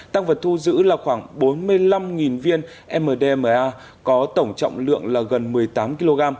tăng vật thu giữ là khoảng bốn mươi năm viên mdma có tổng trọng lượng là gần một mươi tám kg